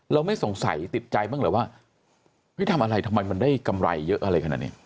เราไม่สงสัยติดใจบ้างเหรอว่าเฮ้ยทำอะไรทำไมมันได้กำไรเยอะอะไรขนาดนี้